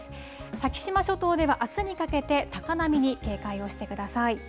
先島諸島ではあすにかけて高波に警戒をしてください。